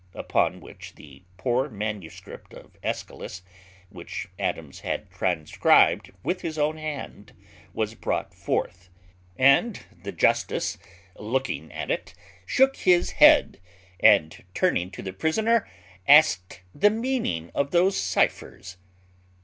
Upon which the poor manuscript of Aeschylus, which Adams had transcribed with his own hand, was brought forth; and the justice, looking at it, shook his head, and, turning to the prisoner, asked the meaning of those cyphers.